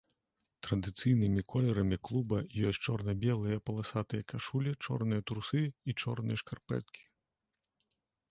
Традыцыйнымі колерамі клуба ёсць чорна-белыя паласатыя кашулі, чорныя трусы і чорныя шкарпэткі.